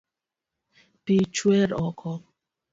Pii chwer oko